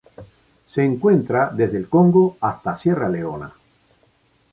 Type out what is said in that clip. Se encuentra desde el Congo hasta Sierra Leona.